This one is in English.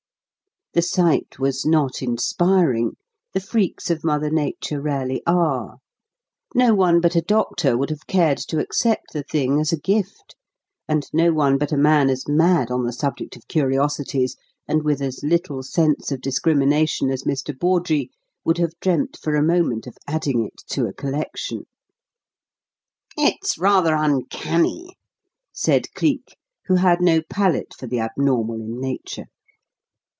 The sight was not inspiring the freaks of mother Nature rarely are. No one but a doctor would have cared to accept the thing as a gift, and no one but a man as mad on the subject of curiosities and with as little sense of discrimination as Mr. Bawdrey would have dreamt for a moment of adding it to a collection. "It's rather uncanny," said Cleek, who had no palate for the abnormal in Nature.